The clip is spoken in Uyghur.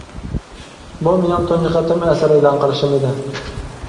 بۇ مېنىڭ تۇنجى قېتىم ئەسەر ئېلان قىلىشىم ئىدى.